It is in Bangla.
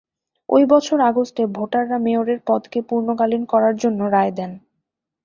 ঐ বছর আগস্টে ভোটাররা মেয়রের পদকে পূর্ণকালীন করার জন্য রায় দেন।